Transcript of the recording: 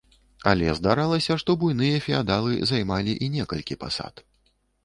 Але здаралася, што буйныя феадалы займалі і некалькі пасад.